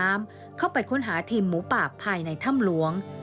ร่วมภารกิจดำน้ำเข้าไปค้นหาทีมหมูป่าภายในถ้ำหลวง